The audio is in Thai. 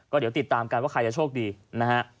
เดี๋ยวติดตามกันว่าใครจะโชคดีนะฮะ